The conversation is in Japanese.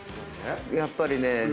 やっぱりね